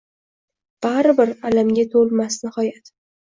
Baribir, alamga bo’lmas nihoyat.